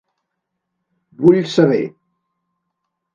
Vull saber.